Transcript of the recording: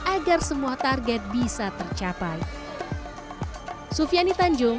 agar semua target bisa tercapai